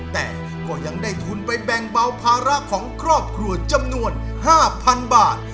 แต่ก็ยังได้ทุนไปแบ่งเบาภาระของครอบครัวจำนวน๕๐๐๐บาท